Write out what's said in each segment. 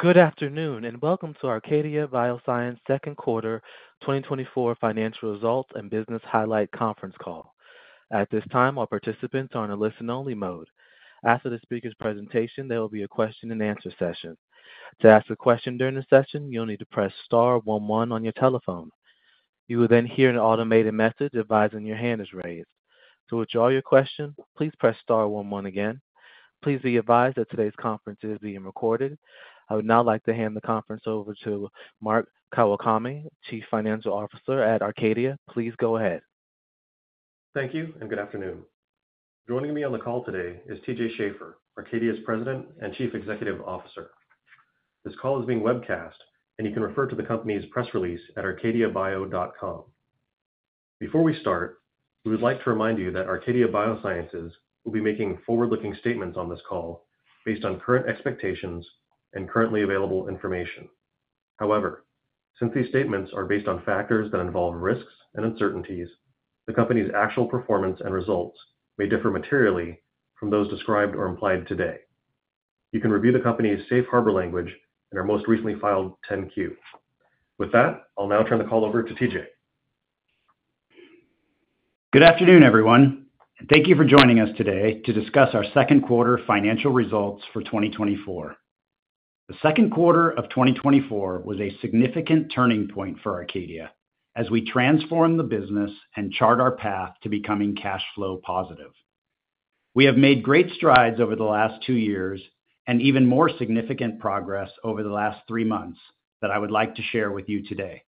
Good afternoon, and welcome to Arcadia Biosciences' second quarter 2024 financial results and business highlight conference call. At this time, all participants are in a listen-only mode. After the speaker's presentation, there will be a question and answer session. To ask a question during the session, you'll need to press star one one on your telephone. You will then hear an automated message advising your hand is raised. To withdraw your question, please press star one one again. Please be advised that today's conference is being recorded. I would now like to hand the conference over to Mark Kawakami, Chief Financial Officer at Arcadia. Please go ahead. Thank you and good afternoon. Joining me on the call today is T.J. Schaefer, Arcadia's President and Chief Executive Officer. This call is being webcast, and you can refer to the company's press release at arcadiabio.com. Before we start, we would like to remind you that Arcadia Biosciences will be making forward-looking statements on this call based on current expectations and currently available information. However, since these statements are based on factors that involve risks and uncertainties, the company's actual performance and results may differ materially from those described or implied today. You can review the company's safe harbor language in our most recently filed 10-Q. With that, I'll now turn the call over to TJ. Good afternoon, everyone, and thank you for joining us today to discuss our second quarter financial results for 2024. The second quarter of 2024 was a significant turning point for Arcadia as we transform the business and chart our path to becoming cash flow positive. We have made great strides over the last two years and even more significant progress over the last three months that I would like to share with you today.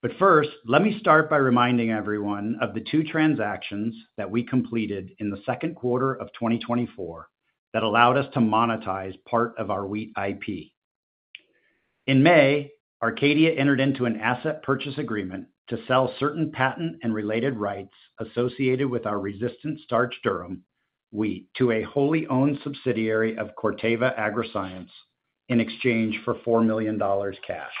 But first, let me start by reminding everyone of the two transactions that we completed in the second quarter of 2024 that allowed us to monetize part of our wheat IP. In May, Arcadia entered into an asset purchase agreement to sell certain patent and related rights associated with our resistant starch durum wheat to a wholly owned subsidiary of Corteva Agriscience in exchange for $4 million cash.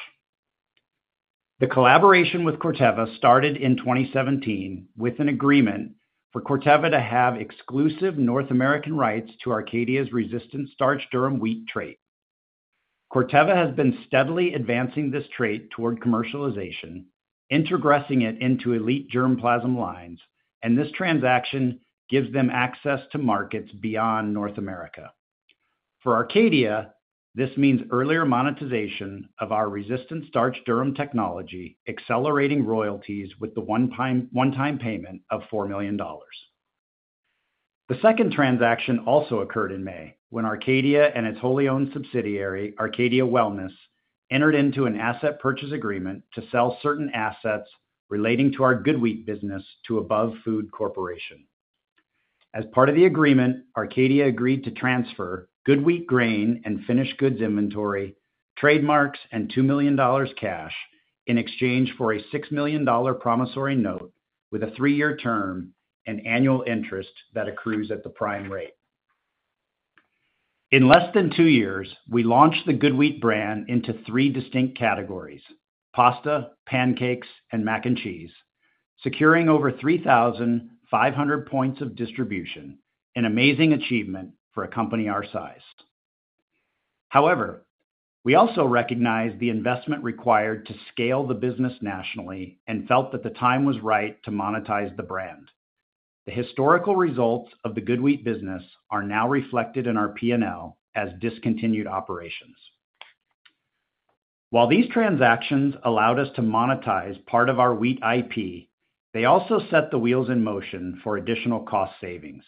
The collaboration with Corteva started in 2017 with an agreement for Corteva to have exclusive North American rights to Arcadia's resistant starch durum wheat trait. Corteva has been steadily advancing this trait toward commercialization, introgressing it into elite germplasm lines, and this transaction gives them access to markets beyond North America. For Arcadia, this means earlier monetization of our resistant starch durum technology, accelerating royalties with the one-time payment of $4 million. The second transaction also occurred in May, when Arcadia and its wholly owned subsidiary, Arcadia Wellness, entered into an asset purchase agreement to sell certain assets relating to our GoodWheat business to Above Food Corporation. As part of the agreement, Arcadia agreed to transfer GoodWheat grain and finished goods inventory, trademarks, and $2 million cash in exchange for a $6 million promissory note with a three-year term and annual interest that accrues at the prime rate. In less than two years, we launched the GoodWheat brand into three distinct categories: pasta, pancakes, and mac and cheese, securing over 3,500 points of distribution, an amazing achievement for a company our size. However, we also recognize the investment required to scale the business nationally and felt that the time was right to monetize the brand. The historical results of the GoodWheat business are now reflected in our P&L as discontinued operations. While these transactions allowed us to monetize part of our wheat IP, they also set the wheels in motion for additional cost savings.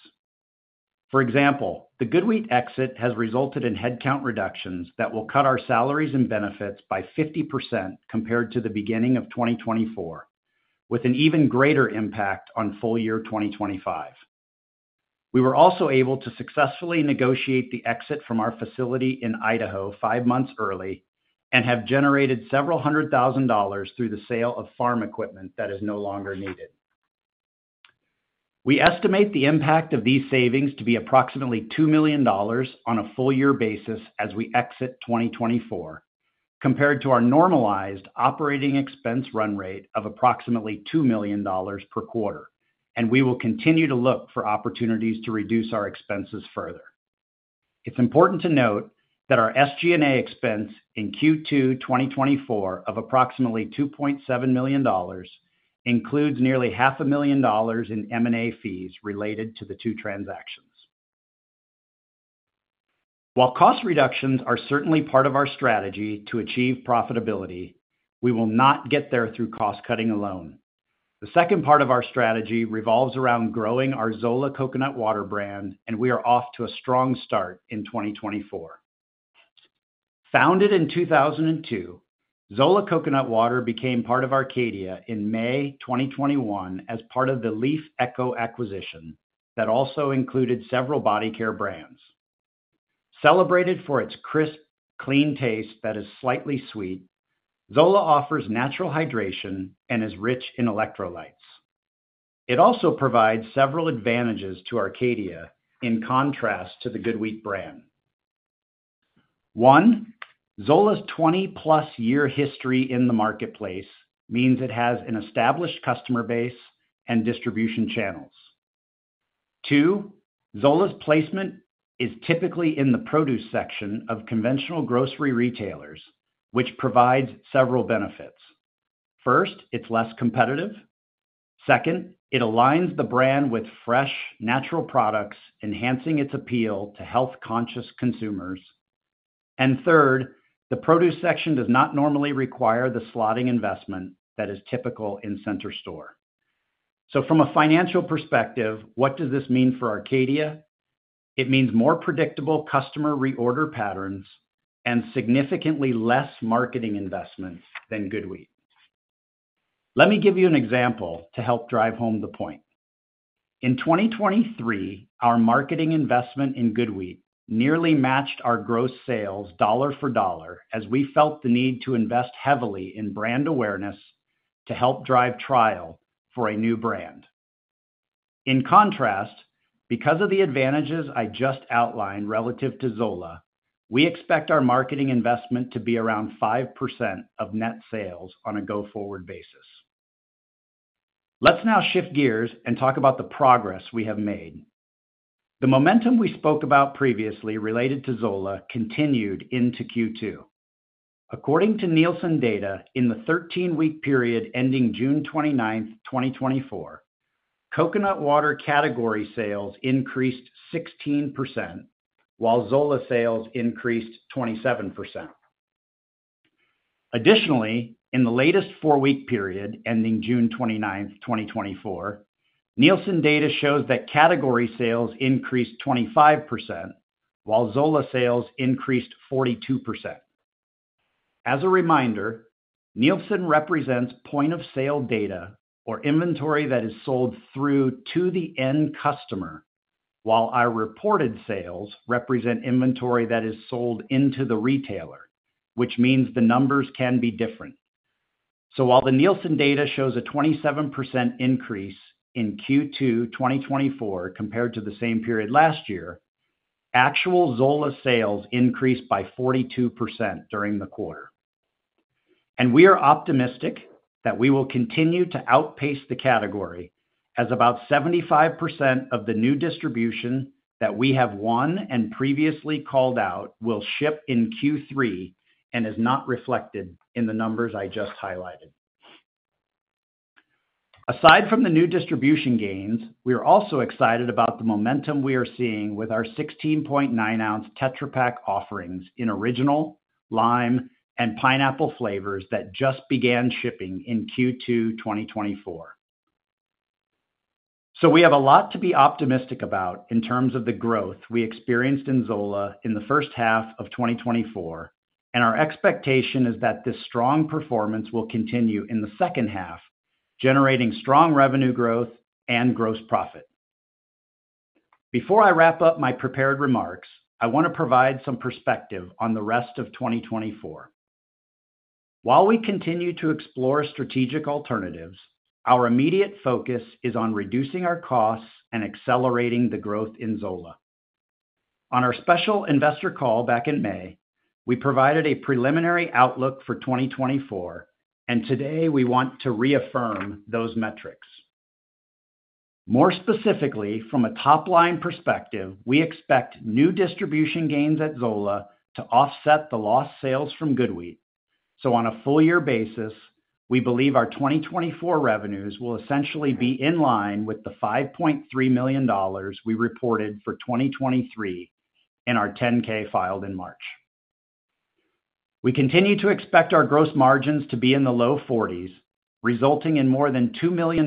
For example, the GoodWheat exit has resulted in headcount reductions that will cut our salaries and benefits by 50% compared to the beginning of 2024, with an even greater impact on full year 2025. We were also able to successfully negotiate the exit from our facility in Idaho five months early and have generated several hundred thousand dollars through the sale of farm equipment that is no longer needed. We estimate the impact of these savings to be approximately $2 million on a full year basis as we exit 2024, compared to our normalized operating expense run rate of approximately $2 million per quarter, and we will continue to look for opportunities to reduce our expenses further. It's important to note that our SG&A expense in Q2 2024 of approximately $2.7 million includes nearly $500,000 in M&A fees related to the two transactions. While cost reductions are certainly part of our strategy to achieve profitability, we will not get there through cost-cutting alone. The second part of our strategy revolves around growing our Zola Coconut Water brand, and we are off to a strong start in 2024. Founded in 2002, Zola Coconut Water became part of Arcadia in May 2021 as part of the Lief acquisition that also included several body care brands. Celebrated for its crisp, clean taste that is slightly sweet, Zola offers natural hydration and is rich in electrolytes. It also provides several advantages to Arcadia in contrast to the GoodWheat brand. One, Zola's 20+ year history in the marketplace means it has an established customer base and distribution channels. Two, Zola's placement is typically in the produce section of conventional grocery retailers, which provides several benefits: First, it's less competitive. Second, it aligns the brand with fresh, natural products, enhancing its appeal to health-conscious consumers. And third, the produce section does not normally require the slotting investment that is typical in center store. So from a financial perspective, what does this mean for Arcadia? It means more predictable customer reorder patterns and significantly less marketing investments than GoodWheat. Let me give you an example to help drive home the point. In 2023, our marketing investment in GoodWheat nearly matched our gross sales dollar for dollar, as we felt the need to invest heavily in brand awareness to help drive trial for a new brand. In contrast, because of the advantages I just outlined relative to Zola, we expect our marketing investment to be around 5% of net sales on a go-forward basis. Let's now shift gears and talk about the progress we have made. The momentum we spoke about previously related to Zola continued into Q2. According to Nielsen data, in the 13-week period ending June 29, 2024, coconut water category sales increased 16%, while Zola sales increased 27%. Additionally, in the latest four-week period ending June 29, 2024, Nielsen data shows that category sales increased 25%, while Zola sales increased 42%. As a reminder, Nielsen represents point of sale data or inventory that is sold through to the end customer, while our reported sales represent inventory that is sold into the retailer, which means the numbers can be different. While the Nielsen data shows a 27% increase in Q2 2024 compared to the same period last year, actual Zola sales increased by 42% during the quarter. We are optimistic that we will continue to outpace the category, as about 75% of the new distribution that we have won and previously called out will ship in Q3 and is not reflected in the numbers I just highlighted. Aside from the new distribution gains, we are also excited about the momentum we are seeing with our 16.9-ounce Tetra Pak offerings in original, lime, and pineapple flavors that just began shipping in Q2 2024. So we have a lot to be optimistic about in terms of the growth we experienced in Zola in the first half of 2024, and our expectation is that this strong performance will continue in the second half, generating strong revenue growth and gross profit. Before I wrap up my prepared remarks, I want to provide some perspective on the rest of 2024. While we continue to explore strategic alternatives, our immediate focus is on reducing our costs and accelerating the growth in Zola. On our special investor call back in May, we provided a preliminary outlook for 2024, and today we want to reaffirm those metrics. More specifically, from a top-line perspective, we expect new distribution gains at Zola to offset the lost sales from GoodWheat. So on a full year basis, we believe our 2024 revenues will essentially be in line with the $5.3 million we reported for 2023 in our 10-K filed in March. We continue to expect our gross margins to be in the low 40s, resulting in more than $2 million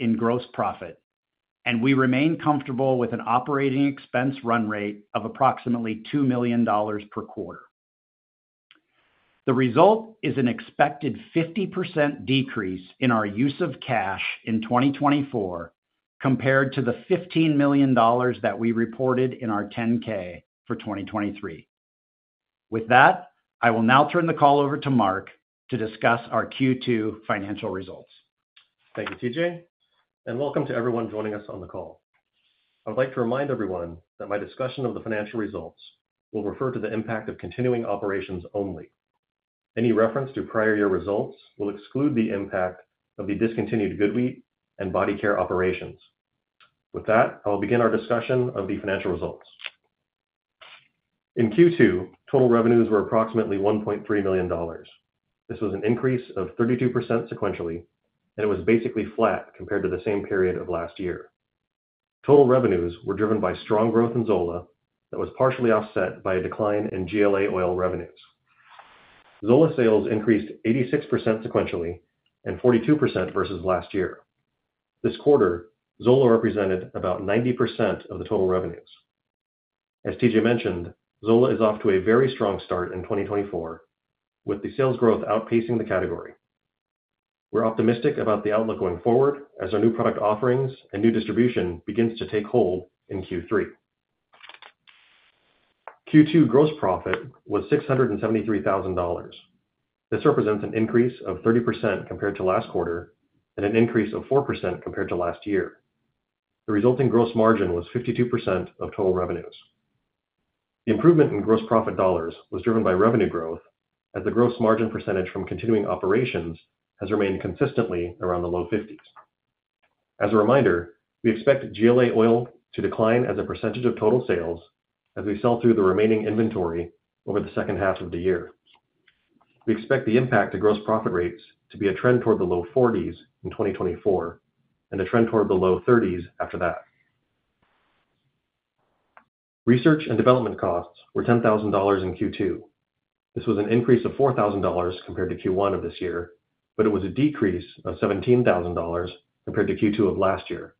in gross profit, and we remain comfortable with an operating expense run rate of approximately $2 million per quarter. The result is an expected 50% decrease in our use of cash in 2024, compared to the $15 million that we reported in our 10-K for 2023. With that, I will now turn the call over to Mark to discuss our Q2 financial results. Thank you, T.J., and welcome to everyone joining us on the call. I would like to remind everyone that my discussion of the financial results will refer to the impact of continuing operations only. Any reference to prior year results will exclude the impact of the discontinued GoodWheat and body care operations. With that, I will begin our discussion of the financial results. In Q2, total revenues were approximately $1.3 million. This was an increase of 32% sequentially, and it was basically flat compared to the same period of last year. Total revenues were driven by strong growth in Zola that was partially offset by a decline in GLA oil revenues. Zola sales increased 86% sequentially and 42% versus last year. This quarter, Zola represented about 90% of the total revenues. As T.J. mentioned, Zola is off to a very strong start in 2024, with the sales growth outpacing the category. We're optimistic about the outlook going forward as our new product offerings and new distribution begins to take hold in Q3. Q2 gross profit was $673,000. This represents an increase of 30% compared to last quarter and an increase of 4% compared to last year. The resulting gross margin was 52% of total revenues. The improvement in gross profit dollars was driven by revenue growth, as the gross margin percentage from continuing operations has remained consistently around the low 50s. As a reminder, we expect GLA oil to decline as a percentage of total sales as we sell through the remaining inventory over the second half of the year. We expect the impact to gross profit rates to be a trend toward the low 40s in 2024, and a trend toward the low 30s after that. Research and development costs were $10,000 in Q2. This was an increase of $4,000 compared to Q1 of this year, but it was a decrease of $17,000 compared to Q2 of last year.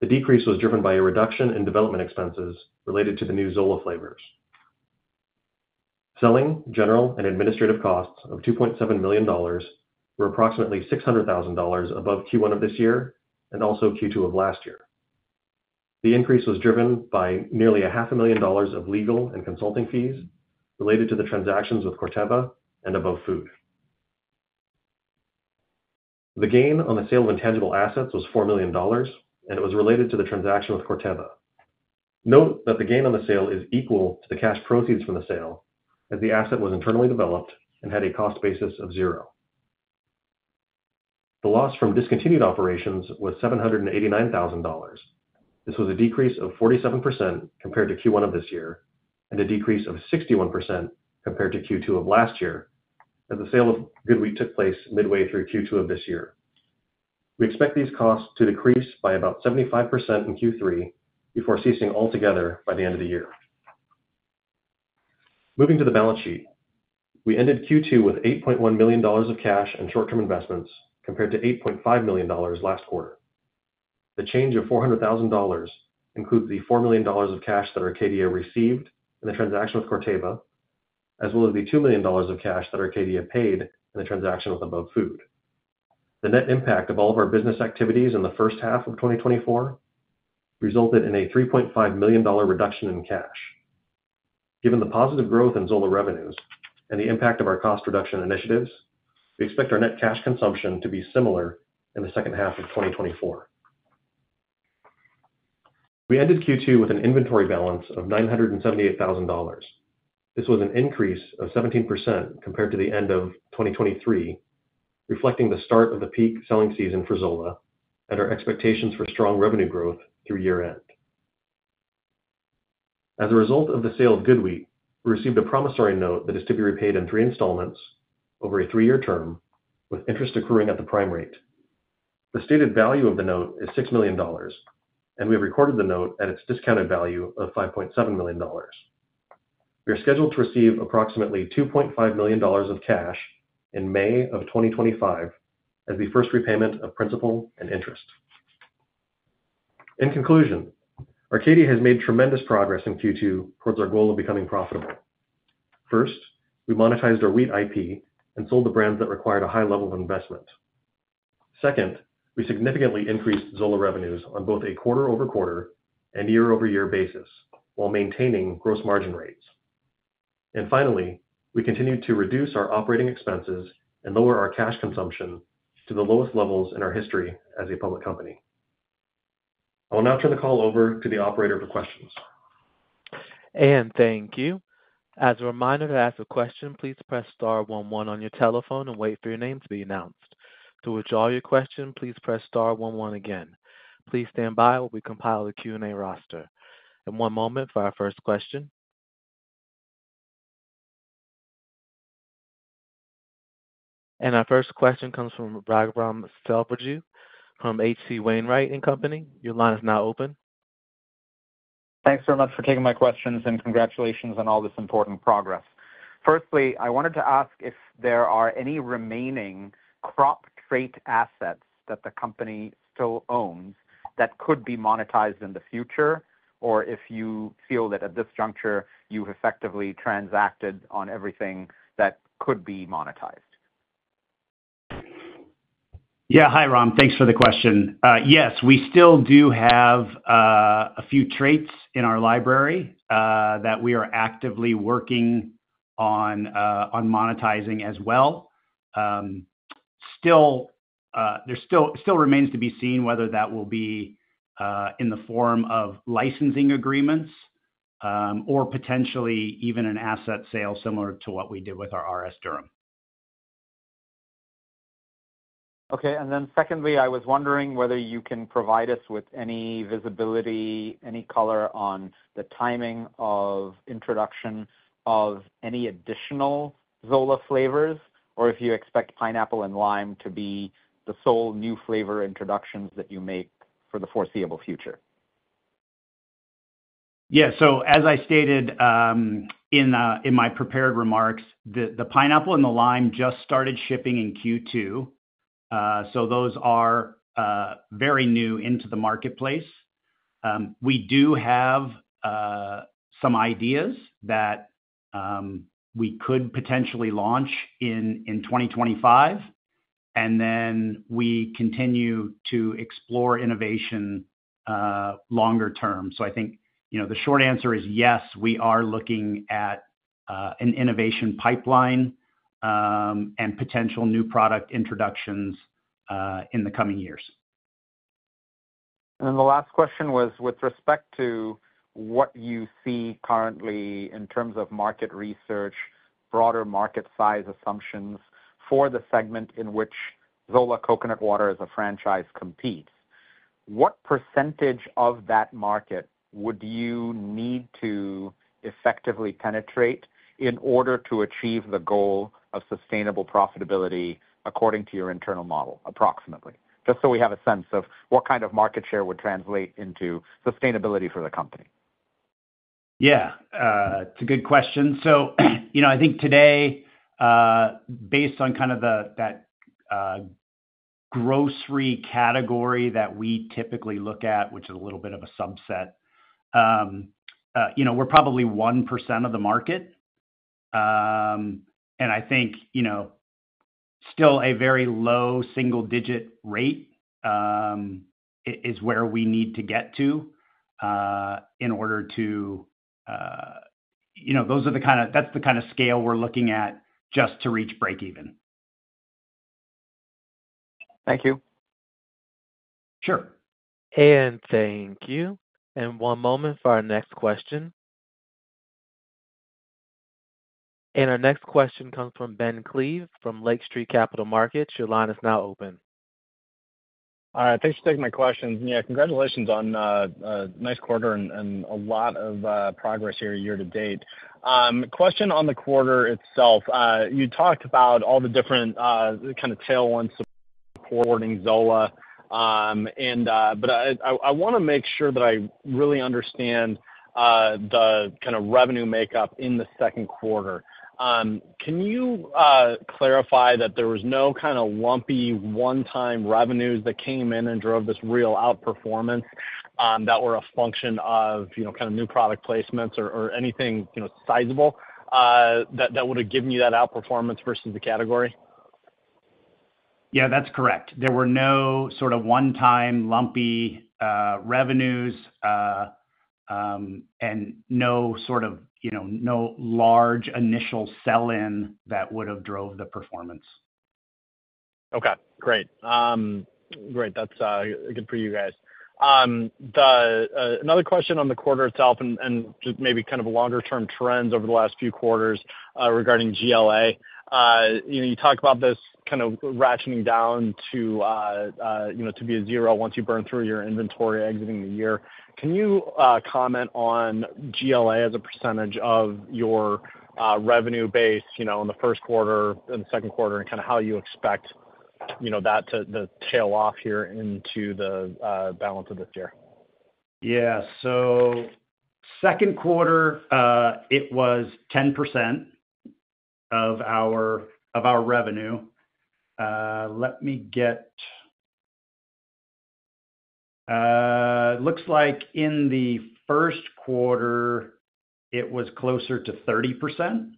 The decrease was driven by a reduction in development expenses related to the new Zola flavors. Selling, general, and administrative costs of $2.7 million were approximately $600,000 above Q1 of this year and also Q2 of last year. The increase was driven by nearly $500,000 of legal and consulting fees related to the transactions with Corteva and Above Food. The gain on the sale of intangible assets was $4 million, and it was related to the transaction with Corteva. Note that the gain on the sale is equal to the cash proceeds from the sale, as the asset was internally developed and had a cost basis of zero. The loss from discontinued operations was $789,000. This was a decrease of 47% compared to Q1 of this year, and a decrease of 61% compared to Q2 of last year, as the sale of GoodWheat took place midway through Q2 of this year. We expect these costs to decrease by about 75% in Q3 before ceasing altogether by the end of the year. Moving to the balance sheet. We ended Q2 with $8.1 million of cash and short-term investments, compared to $8.5 million last quarter. The change of $400,000 includes the $4 million of cash that Arcadia received in the transaction with Corteva, as well as the $2 million of cash that Arcadia paid in the transaction with Above Food. The net impact of all of our business activities in the first half of 2024 resulted in a $3.5 million reduction in cash. Given the positive growth in Zola revenues and the impact of our cost reduction initiatives, we expect our net cash consumption to be similar in the second half of 2024. We ended Q2 with an inventory balance of $978,000. This was an increase of 17% compared to the end of 2023, reflecting the start of the peak selling season for Zola and our expectations for strong revenue growth through year-end. As a result of the sale of GoodWheat, we received a promissory note that is to be repaid in three installments over a three-year term, with interest accruing at the prime rate. The stated value of the note is $6 million, and we have recorded the note at its discounted value of $5.7 million. We are scheduled to receive approximately $2.5 million of cash in May 2025 as the first repayment of principal and interest. In conclusion, Arcadia has made tremendous progress in Q2 towards our goal of becoming profitable. First, we monetized our wheat IP and sold the brands that required a high level of investment. Second, we significantly increased Zola revenues on both a quarter-over-quarter and year-over-year basis, while maintaining gross margin rates. Finally, we continued to reduce our operating expenses and lower our cash consumption to the lowest levels in our history as a public company. I will now turn the call over to the operator for questions. Thank you. As a reminder, to ask a question, please press star one one on your telephone and wait for your name to be announced. To withdraw your question, please press star one one again. Please stand by while we compile the Q&A roster. One moment for our first question. Our first question comes from Raghuram Selvaraju from H.C. Wainwright & Co. Your line is now open. Thanks so much for taking my questions, and congratulations on all this important progress. Firstly, I wanted to ask if there are any remaining crop trait assets that the company still owns that could be monetized in the future, or if you feel that at this juncture, you've effectively transacted on everything that could be monetized? Yeah. Hi, Ram. Thanks for the question. Yes, we still do have a few traits in our library that we are actively working on monetizing as well. Still, there still remains to be seen whether that will be in the form of licensing agreements or potentially even an asset sale, similar to what we did with our RS Durum. Okay. Secondly, I was wondering whether you can provide us with any visibility, any color on the timing of introduction of any additional Zola flavors, or if you expect pineapple and lime to be the sole new flavor introductions that you make for the foreseeable future? Yeah. So as I stated, in my prepared remarks, the pineapple and the lime just started shipping in Q2. So those are very new into the marketplace. We do have some ideas that we could potentially launch in 2025, and then we continue to explore innovation longer term. So I think, you know, the short answer is yes, we are looking at an innovation pipeline, and potential new product introductions in the coming years.... And then the last question was with respect to what you see currently in terms of market research, broader market size assumptions for the segment in which Zola Coconut Water as a franchise competes. What percentage of that market would you need to effectively penetrate in order to achieve the goal of sustainable profitability according to your internal model, approximately? Just so we have a sense of what kind of market share would translate into sustainability for the company. Yeah, it's a good question. So, you know, I think today, based on kind of the grocery category that we typically look at, which is a little bit of a subset, you know, we're probably 1% of the market. And I think, you know, still a very low single-digit rate is where we need to get to in order to... You know, those are the kinda-- that's the kind of scale we're looking at just to reach break even. Thank you. Sure. Thank you. One moment for our next question. Our next question comes from Ben Klieve from Lake Street Capital Markets. Your line is now open. Thanks for taking my questions. Yeah, congratulations on a nice quarter and a lot of progress here year to date. Question on the quarter itself. You talked about all the different kind of tailwinds supporting Zola. But I wanna make sure that I really understand the kind of revenue makeup in the second quarter. Can you clarify that there was no kind of lumpy, one-time revenues that came in and drove this real outperformance, that were a function of, you know, kind of new product placements or anything, you know, sizable, that would have given you that outperformance versus the category? Yeah, that's correct. There were no sort of one-time, lumpy, revenues, and no sort of, you know, no large initial sell-in that would have drove the performance. Okay, great. Great, that's good for you guys. Another question on the quarter itself and just maybe kind of longer-term trends over the last few quarters regarding GLA. You know, you talked about this kind of ratcheting down to, you know, to be a zero once you burn through your inventory exiting the year. Can you comment on GLA as a percentage of your revenue base, you know, in the first quarter and the second quarter, and kinda how you expect, you know, that to tail off here into the balance of this year? Yeah. So second quarter, it was 10% of our revenue. Let me get it. Looks like in the first quarter, it was closer to 30%.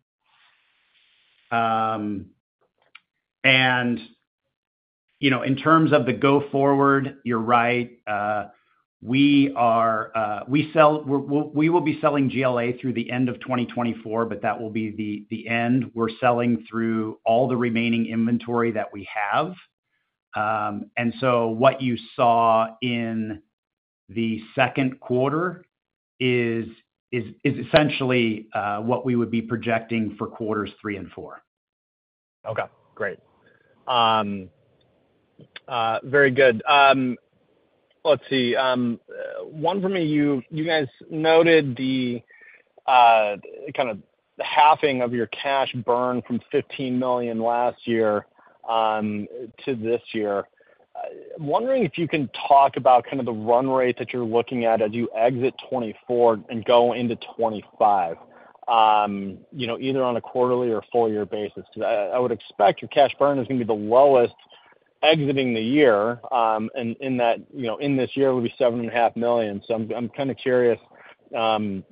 You know, in terms of the go-forward, you're right. We will be selling GLA through the end of 2024, but that will be the end. We're selling through all the remaining inventory that we have. So what you saw in the second quarter is essentially what we would be projecting for quarters three and four. Okay, great. Very good. Let's see. One for me, you guys noted the kind of the halving of your cash burn from $15 million last year to this year. I'm wondering if you can talk about kind of the run rate that you're looking at as you exit 2024 and go into 2025, you know, either on a quarterly or full year basis. Because I would expect your cash burn is gonna be the lowest exiting the year, and in that, you know, in this year will be $7.5 million. So I'm kind of curious, you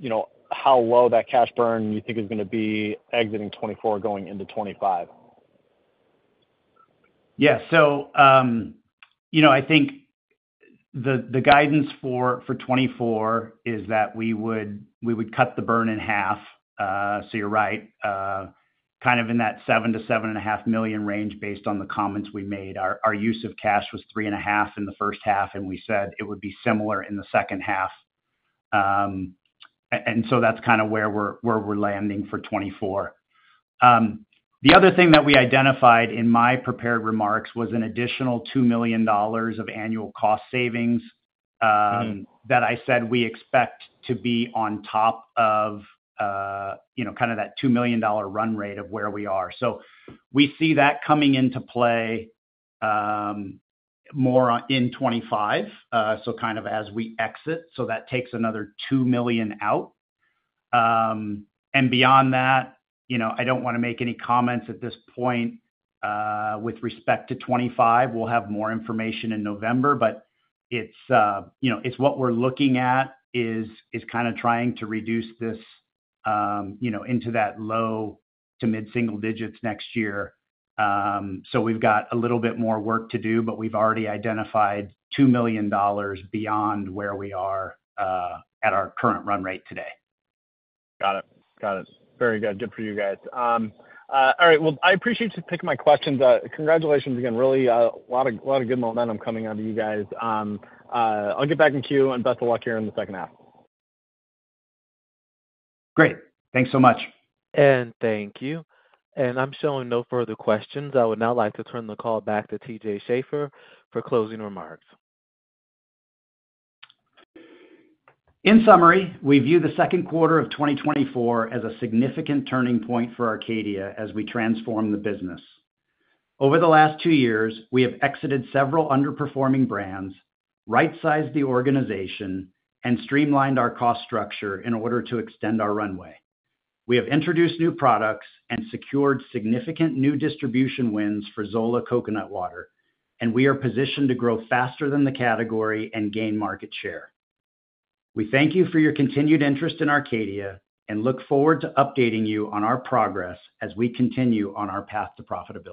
know, how low that cash burn you think is gonna be exiting 2024, going into 2025. Yeah. So, you know, I think the guidance for 2024 is that we would cut the burn in half. So you're right, kind of in that $7-$7.5 million range based on the comments we made. Our use of cash was $3.5 million in the first half, and we said it would be similar in the second half. And so that's kind of where we're landing for 2024. The other thing that we identified in my prepared remarks was an additional $2 million of annual cost savings, that I said we expect to be on top of, you know, kind of that $2 million run rate of where we are. So we see that coming into play, more on in 2025, so kind of as we exit, so that takes another $2 million out. And beyond that, you know, I don't wanna make any comments at this point, with respect to 2025. We'll have more information in November, but it's, you know, it's what we're looking at is, is kinda trying to reduce this, you know, into that low to mid-single digits next year. So we've got a little bit more work to do, but we've already identified $2 million beyond where we are, at our current run rate today. Got it. Got it. Very good. Good for you guys. All right. Well, I appreciate you taking my questions. Congratulations again. Really, a lot of, lot of good momentum coming out of you guys. I'll get back in queue, and best of luck here in the second half. Great. Thanks so much. Thank you. I'm showing no further questions. I would now like to turn the call back to T.J. Schaefer for closing remarks. In summary, we view the second quarter of 2024 as a significant turning point for Arcadia as we transform the business. Over the last two years, we have exited several underperforming brands, right-sized the organization, and streamlined our cost structure in order to extend our runway. We have introduced new products and secured significant new distribution wins for Zola Coconut Water, and we are positioned to grow faster than the category and gain market share. We thank you for your continued interest in Arcadia, and look forward to updating you on our progress as we continue on our path to profitability.